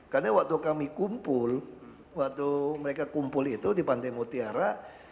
karena waktu kami kumpul waktu mereka kumpul itu di pantai mutiara